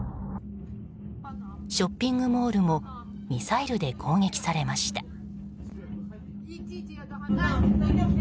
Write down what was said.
ショッピングモールもミサイルで攻撃されました。